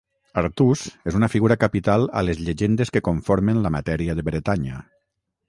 Artús és una figura capital a les llegendes que conformen la matèria de Bretanya.